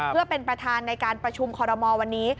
เพื่อเป็นประธานในการประชุมคอรมอลวันนี้